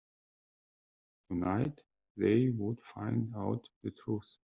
Tonight, they would find out the truth.